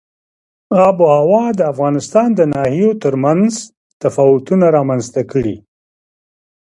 آب وهوا د افغانستان د ناحیو ترمنځ تفاوتونه رامنځ ته کوي.